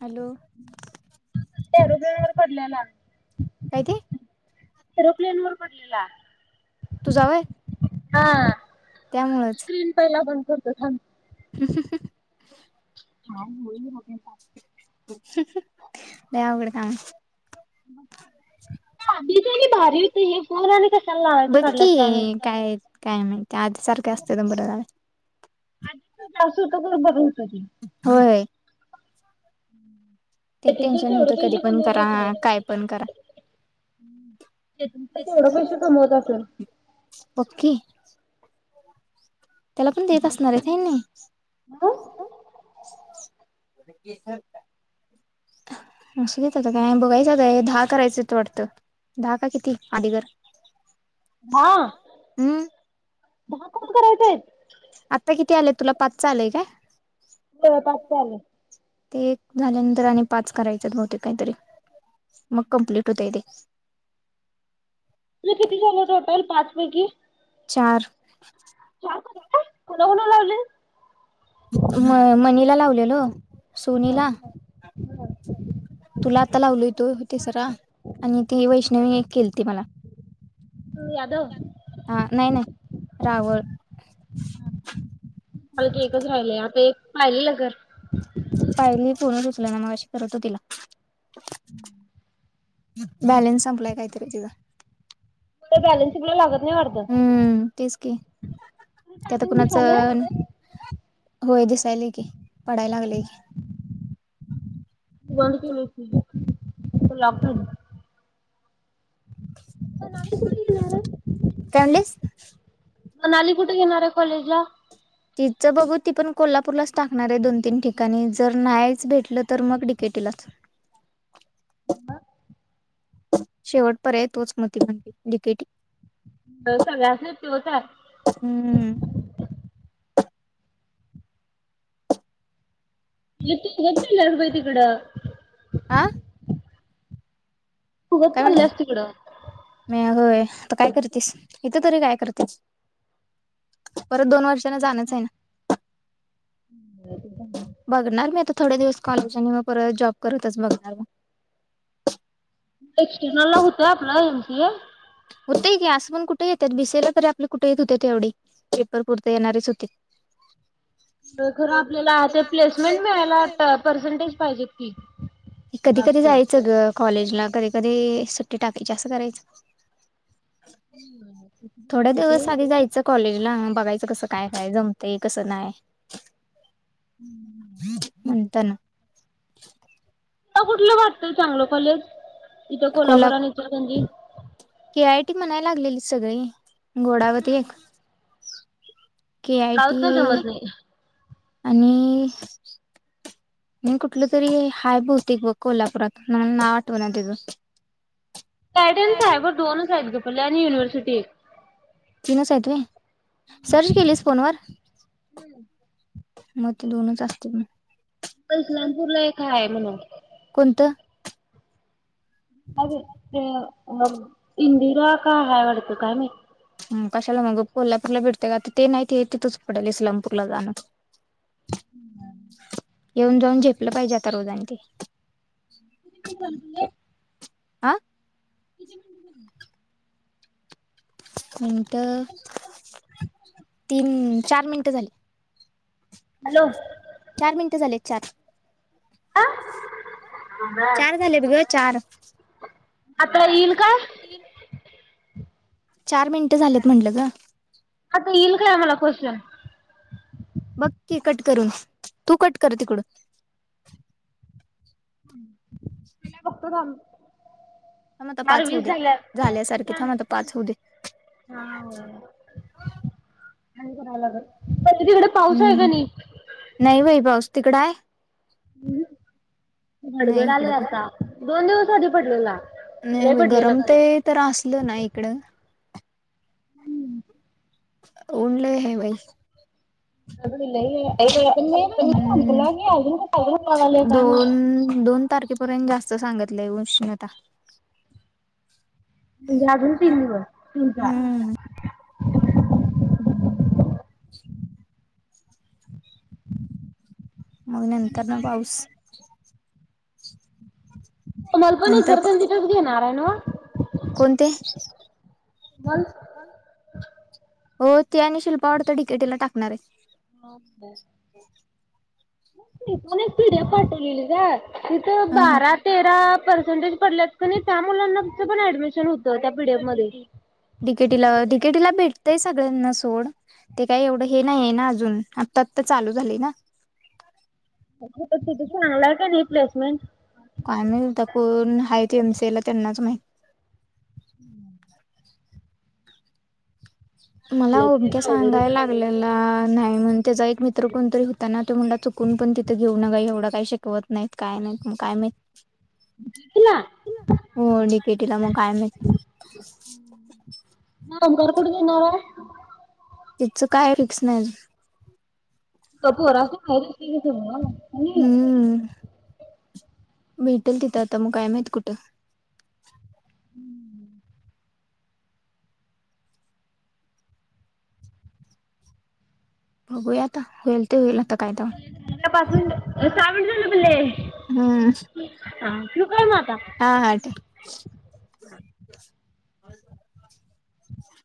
Hello. रोपन वर पडल्याला. काय ते रोकले र पडलेला. तू जावय. हा त्यामुळंच स्क्रीन पहिला बंद करतो थांब. थ सिक्स काा हो होगे. वकड काग हम्. ह मी भारी होते हे फोन आ आणि कशाला लावायच बघ काढलं की काम काय काय माती आधी सारखे असत त बर. [inaudible] होय. हम्म. ते टेन्शन नव्हतं कधी पण करा काय पण करा. त्यातून तर तेवढं पैसे कमवत असेल ओके. त्याला पण देत असणार आहे ते नाही. दहा [inaudible] ह. अस देत काय बघायचं काय दहा करायचं वाटतं दहा का किती आधी घर हम्म. दहा कोण करायचय. आता किती आलेय तुला पाच आलंय काय. हो तात ल. ते एक झाल्यानंतर आणि पाच करायचे बहुतेक काहीतरी मग कंप्लट होतये. [inaudible] मा क चार चार कोणा कोणा लावले. म मनीला लावलेलो सोनीला तुला आता ला उलतोय. ते सरा आणि ती वैष्णवी एक केल त मला यादव मला हा नाही नाही रावळ. ल ते एकच राहिलेय आता एक पाहिलेलं घर पाहिली पणच उचल ना मग अशी करत हो तिला बॅलेन्स संपलाय काहीतरी तिचा त बॅलनस शिकला लागत नाही वाटत त्यात कुणाचं. होय दिसायला की पडायला लागलेय की. त बंद केले लॉकडन. प्रनाली कुठे घेणार काय म्हणलीस आहे प्रनाली कुठे घेणार आहे कॉलेज ला. तिचं बघू ती पण कोल्हापूरलाच टाकणार आहे दोन तीन ठिकाणी जर नाहीच भेटलं तर मग डी के टी टी लाच ह शेवट पर्याय तोच ती म्हटली डीकेटी होय सगळ्यांनी तोच आहे. हम्म येतो हे केल्यास बाई तिकडं. आह फुगत चालल्यास तिकडं. मी होय काय करतेस इथे तरी काय करतेस. परत दोन वर्षाना जाणचं आहे ना. बघणार मी आता थोडे दिवस कॉलेजनी म. पर जॉब करतच बघणार. एक्सटर्नल ला होतय आपला एमसी ए. होत की अस पण कुठे येतात बीस एला तरी आपले कुठे येत होत तेवढी पेपर पुरे येणारच होती. [unintelligible] खरं आपल्याला ते प्लेसमेंट मिळायला पर्सेंटेज पाहिजेत की. कधी कधी जास्त जायचं कॉलेजला कधी कधी सुट्टी टाकायची असं करायचं. थोड्या दिवस आधी तुला जायचं कॉलेज. ला बघायचं कसं काय काय जमतंय कसं नाहीय. म्हणता ना. मला कुठलं वाटतय चांगलं कॉलेज इथे कोल्हा कोल्हापुर आणि इचलकरंजी के आय टी म्हणाय लागलेली सगळी गोडावरत एक के आय टी राऊत काय जमत नाही आणि म कुठलं तरी हाय बोहतेक बघ कोल्हापुरात मला नाव आठव ना त्याचं. साइडल साहेबर दोनच आहेत पले आणि युनिव्हर्सिटी. तिनच आहेित सर्च केलीस फोन वर. मग ते दोनच असते पण. इस्लामपूर ला एक काय आहे म्हणून. कोणतं? अरे ते मग इंदिरा का आहे आवडतो का मी. हम कशाला मग कोल्हापूरला भेटते का ते नाही ते तिथच पडेल इस्लामपूरला ला जाणं. [unintelligible] येऊन जाऊन झेपलं पाहिजे आता रोजनी ते. [unintelligible] आ किती म्हण. मिनिट तीन चार मिनटं झाली. हॅलो चार मिनिटं झालेत चार. हा चार झाले ग चार आता येईल का? येईल का? चार मिनटं झालेत म्हटलं ग. आता येईल काय मला क्वेश्चन. बघकी कट करून तू कट कर तिकड मला गप्प झा मता पाच होद झाल्यात झाल्यासारखे थां मता पाच होद अ करा लाग पण तिकडे पाऊस आहे का नाही तिकड आहे नाही गडगड आहे इकडं आत्त दोन दिवस आधी पडलेला लय आणि पडलेला गरम ते खरं तर असल ना इकड ऊन हाय बाई अगं लय पण मे महिना म् संपला की अजून कसं येऊ लागलंय काय माहित दोन दोन तारखेपर्यंत जास्त सांगितलंय उष्णता म्हणजे अजून तीन दिवस तीन चार हम्म अनंतर ना पाऊस सोनल पण नंतर इचलकरंजीतच घेणार आहे नव कोणते कोमल हो ते आणि शिल्पा वाडत डिकेटीला टाकणार आहे ह त पण एक पीडीएफ पाठवलेली ग तिथं हा हा बारा तेरा पर्सेंटेज पडल्यात क त्या मुलांना पण ऍडमिशन होत त्या पीडीएफ मध्ये डी के टी, डीकेटीला भेटतय सगळ्यांना सोड ते काही एवढं हे नाहीये ना अजून आत्ता आता चालू झाली ना तिथ लावलाय का नाही प्लेसमेंट कायमता कोून हा ते एमसीला त्यांनाच माहि हम्म मला कॉलेज काय ओमक्या अवघडच सांगाय आहे लागलेला नाही म्हण त्याचा एक मित्र कोणतरी होता ना तो म्हणाला चुकून पण तिथे घेऊ नका एवढा काही शिकवत नाहीत काय नाहीत मग काय मा हम् हो डिकेटीला मग कायम समग कुठे घेणारा तिचं काय फिक्स नाही पो रा अस ना हम्म भेटेल तिथं आता म कायम आहेतत कुठं हम्म बघूया आता होईल ते होईल आता काय तर झालं पाच मिनिट सहा मिनिट झाले पल्ले हम्म हा हा ठेव ह